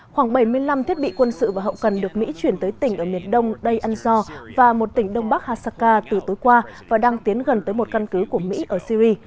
khoảng bảy mươi năm thiết bị quân sự và hậu cần được mỹ chuyển tới tỉnh ở miền đông đây anzo và một tỉnh đông bắc hasaka từ tối qua và đang tiến gần tới một căn cứ của mỹ ở syri